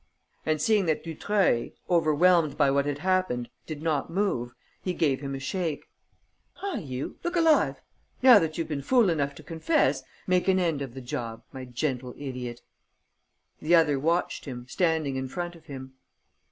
And, seeing that Dutreuil, overwhelmed by what had happened, did not move, he gave him a shake: "Hi, you, look alive! Now that you've been fool enough to confess, make an end of the job, my gentle idiot!" The other watched him, standing in front of him.